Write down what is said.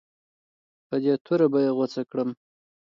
په دې توره به یې غوڅه کړم.